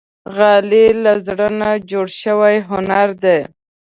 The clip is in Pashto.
غالۍ له زړه نه جوړ شوی هنر دی.